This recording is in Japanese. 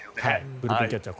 ブルペンキャッチャー